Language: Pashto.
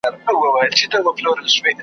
تاریخ د ملت هویت څرګندوي.